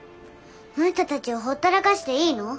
その人たちをほったらかしていいの？